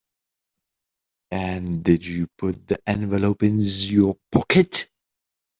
And did you put the envelope in your pocket?